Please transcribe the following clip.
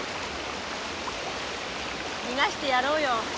逃がしてやろうよ。